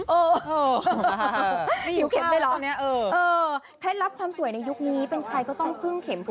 เออหิวเข็มได้หรอเออถ้ารับความสวยในยุคนี้เป็นใครก็ต้องพึ่งเข็ม